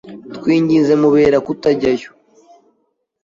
Twinginze Mubera kutajyayo.